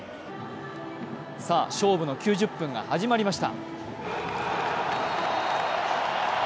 さあ、勝負の９０分が始まりました。